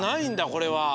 これは。